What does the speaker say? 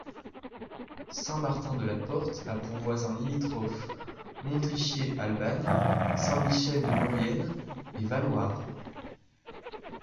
Saint-Martin-de-la-Porte a pour voisins limitrophes Montricher-Albanne, Saint-Michel-de-Maurienne et Valloire.